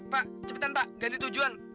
pak cepetan pak ganti tujuan